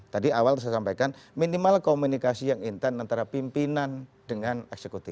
tadi awal saya sampaikan minimal komunikasi yang intan antara pimpinan dengan eksekutif